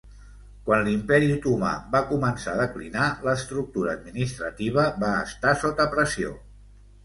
Quan l'Imperi Otomà va començar a declinar, l'estructura administrativa va estar sota pressió.